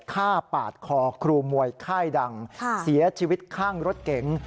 ฆ่าปาดคอครูมวยค่ายดังเสียชีวิตข้างรถเก๋ง